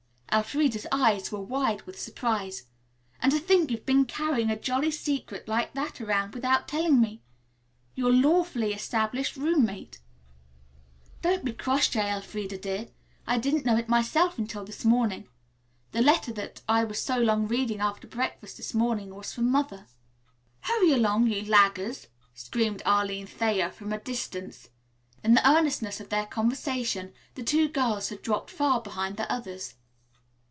Elfreda's eyes were wide with surprise. "And to think you've been carrying a jolly secret like that around without telling me, your lawfully established roommate." "Don't be cross, J. Elfreda, dear. I didn't know it myself until this morning. The letter that I was so long reading after breakfast this morning was from Mother." "Hurry along, you laggers," screamed Arline Thayer from a distance. In the earnestness of their conversation the two girls had dropped far behind the others.